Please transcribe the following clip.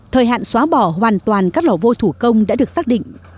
thời hạn xóa bỏ hoàn toàn các lò vô thủ công đã được xác định